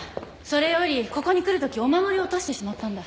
それよりここに来るときお守りを落としてしまったんだ。